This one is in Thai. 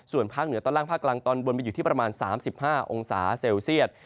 ส่วนภาคเหนือตอนล่างภาคกลางตอนบนไปอยู่ที่ประมาณ๓๕องศาเซลเซียต